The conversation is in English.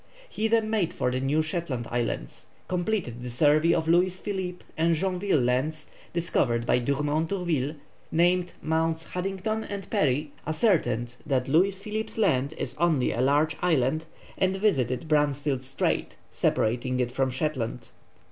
He then made for the New Shetland Islands, completed the survey of Louis Philippe and Joinville Lands, discovered by Dumont d'Urville, named Mts. Haddington and Parry, ascertained that Louis Philippe's Land is only a large island, and visited Bransfield Strait, separating it from Shetland.